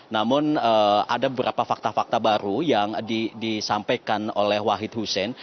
namun ada beberapa fakta fakta baru yang disampaikan oleh wahid hussein